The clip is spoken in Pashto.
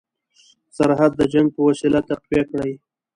سرحد د جنګ په وسیله تقویه کړي.